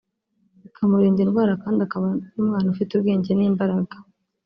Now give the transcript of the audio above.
bikamurinda indwara kandi akaba n’umwana ufite ubwenge n’imbaraga